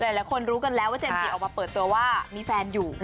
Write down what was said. หลายคนรู้กันแล้วว่าเจมสจิออกมาเปิดตัวว่ามีแฟนอยู่